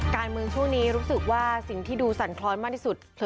การเมืองช่วงนี้รู้สึกว่าสิ่งที่ดูสั่นคล้อยมากที่สุด